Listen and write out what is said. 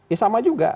ya sama juga